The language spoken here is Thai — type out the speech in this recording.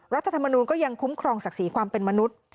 รัฐธรรมนูลก็ยังคุ้มครองศักดิ์ศรีความเป็นมนุษย์